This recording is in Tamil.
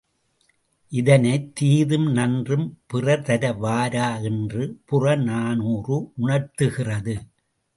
இதனை, தீதும் நன்றும் பிறர்தர வாரா என்று புறநானூறு உணர்த்துகிறது.